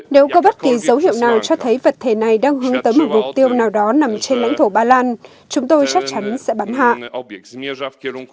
nếu có bất kỳ dấu hiệu nào cho thấy vật thể này đang hướng tới một mục tiêu nào đó nằm trên lãnh thổ ba lan chúng tôi chắc chắn sẽ bắn hạ